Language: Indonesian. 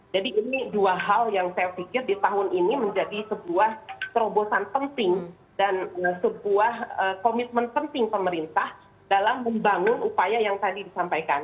jadi ini dua hal yang saya pikir di tahun ini menjadi sebuah kerobosan penting dan sebuah komitmen penting pemerintah dalam membangun upaya yang tadi disampaikan